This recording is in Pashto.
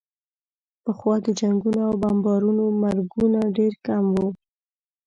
پخوا د جنګونو او بمبارونو مرګونه ډېر کم وو.